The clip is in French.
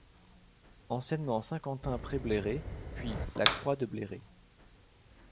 Anciennement Saint-Quentin-près-Bléré, puis la Croix-de-Bléré.